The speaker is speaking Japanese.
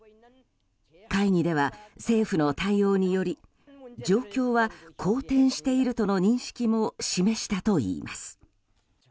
会議では政府の対応により状況は好転しているとの認識も示したといいます。